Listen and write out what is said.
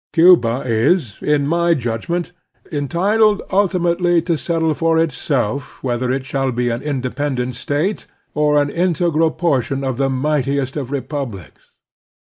Cuba is, in my judgment, entitled ultimately to settle for itself whether it shall be an independent state or an integral portion of the mightiest of republics.